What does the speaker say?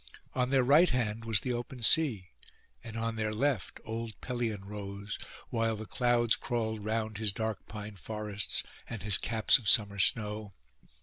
On their right hand was the open sea, and on their left old Pelion rose, while the clouds crawled round his dark pine forests, and his caps of summer snow.